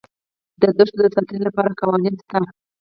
د دښتو د ساتنې لپاره قوانین شته.